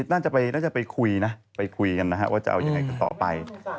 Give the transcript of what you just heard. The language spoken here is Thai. น่าจะไปคุยนะไปคุยกันนะฮะว่าจะเอายังไงกันต่อไป